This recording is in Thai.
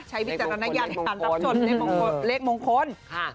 ใช้วิจารณาญาณทำสมนมเลขมงคล